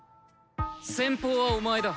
先鋒はお前だ。